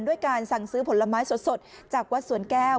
การสั่งซื้อผลไม้สดจากวัดสวนแก้ว